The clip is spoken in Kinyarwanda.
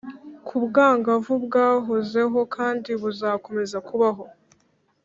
ko ubwangavu bwahozeho kandi buzakomeza kubaho.